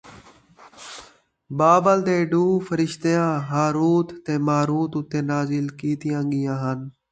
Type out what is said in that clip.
بابل دے ݙُوں فرشتیاں، ہاروت تے ماروت اُتے نازل کِیتیاں ڳیاں ہَن،